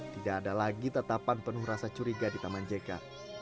tidak ada lagi tetapan penuh rasa curiga di taman jk